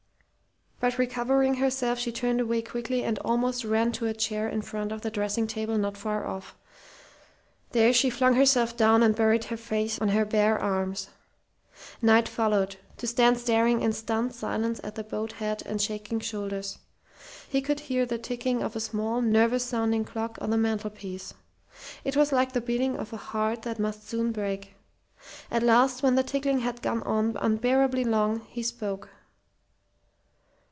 But recovering herself she turned away quickly and almost ran to a chair in front of the dressing table not far off. There she flung herself down and buried her face on her bare arms. Knight followed, to stand staring in stunned silence at the bowed head and shaking shoulders. He could hear the ticking of a small, nervous sounding clock on the mantelpiece. It was like the beating of a heart that must soon break. At last, when the ticking had gone on unbearably long, he spoke.